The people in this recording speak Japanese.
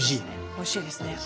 おいしいですね。